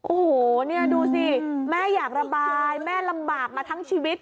โอ้โหนี่ดูสิแม่อยากระบายแม่ลำบากมาทั้งชีวิต